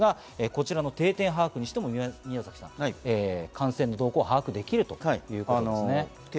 こちらの定点把握に関して宮崎さん、把握できるということですね。